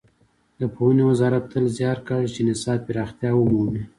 د پوهنې وزارت تل زیار کاږي چې نصاب پراختیا ومومي.